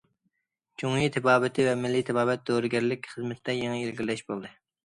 جۇڭيى تېبابىتى ۋە مىللىي تېبابەت، دورىگەرلىك خىزمىتىدە يېڭى ئىلگىرىلەش بولدى.